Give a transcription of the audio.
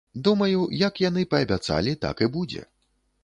Думаю, як яны паабяцалі, так і будзе.